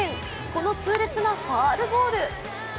この痛烈なファウルボール。